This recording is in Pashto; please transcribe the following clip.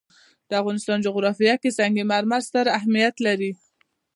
د افغانستان جغرافیه کې سنگ مرمر ستر اهمیت لري.